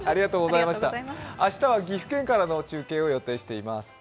明日は岐阜県からの中継を予定しています。